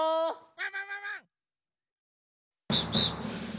・ワンワンワンワン！